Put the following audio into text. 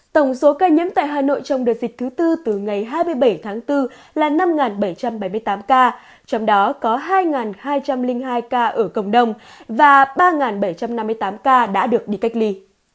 tổng số ca nhiễm tại hà nội trong đợt dịch thứ tư từ ngày hai mươi bảy tháng bốn là năm bảy trăm bảy mươi tám ca trong đó có hai hai trăm linh hai ca ở cộng đồng và ba bảy trăm năm mươi tám ca đã được đi cách ly